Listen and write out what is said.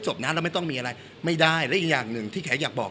ศพนะแล้วไม่ต้องมีอะไรไม่ได้และอีกอย่างหนึ่งที่แขกอยากบอก